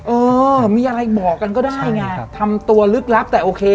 เออมีอะไรบอกกันก็ได้ไงทำตัวลึกลับแต่โอเค